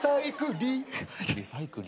リサイクリ。